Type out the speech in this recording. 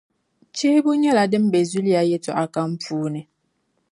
chihibu nyɛla din be zuliya yɛlitɔɣa kam puuni.